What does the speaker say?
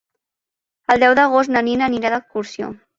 El deu d'agost na Nina anirà d'excursió.